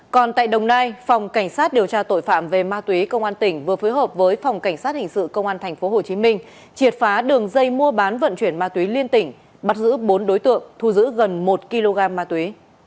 còn tại đồng nai phòng cảnh sát điều tra tội phạm về ma túy công an tỉnh vừa phối hợp với phòng cảnh sát hình sự công an tp hcm triệt phá đường dây mua bán vận chuyển ma túy liên tỉnh bắt giữ bốn đối tượng thu giữ gần một kg ma túy